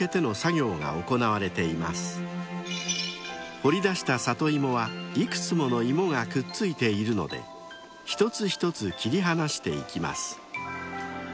［掘り出したサトイモはいくつものイモがくっついているので一つ一つ切り離していきます］